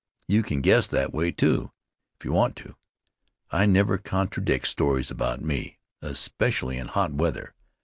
You can guess that way, too, if you want to. I never contradict stories about me, especially in hot weather.